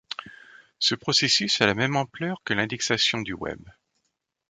Ce processus a la même ampleur que l'indexation du Web.